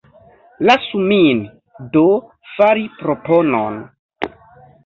Lasu min, do, fari proponon.